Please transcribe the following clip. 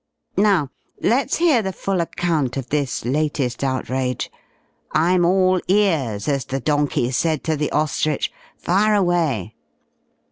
Now let's hear the full account of this latest outrage. I'm all ears, as the donkey said to the ostrich. Fire away."